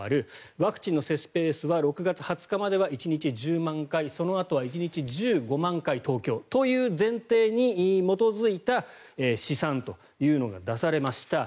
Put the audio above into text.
ワクチンの接種ペースは６月２０日までは１日１０万回そのあとは１日１５万回東京という前提に基づいた試算というのが出されました。